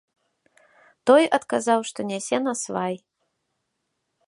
Той адказаў, што нясе насвай.